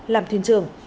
làm thuyền trường